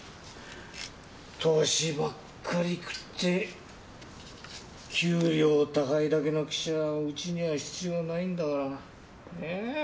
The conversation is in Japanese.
歳ばっかり食って給料高いだけの記者はうちには必要ないんだから。ね？